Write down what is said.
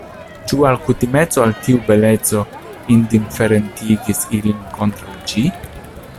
Ĉu alkutimeco al tiu beleco indiferentigis ilin kontraŭ ĝi?